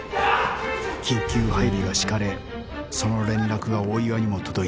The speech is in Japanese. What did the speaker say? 緊急配備が敷かれその連絡が大岩にも届いた。